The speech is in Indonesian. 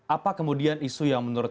apa kemudian isu yang menurut